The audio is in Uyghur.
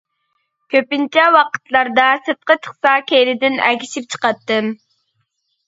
كۆپىنچە ۋاقىتلاردا سىرتقا چىقسا كەينىدىن ئەگىشىپ چىقاتتىم.